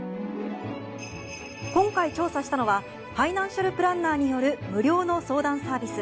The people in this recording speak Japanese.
今回調査したのはファイナンシャルプランナーによる無料の相談サービス